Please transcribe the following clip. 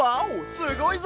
すごいぞ！